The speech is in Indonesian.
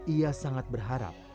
ia sangat berharap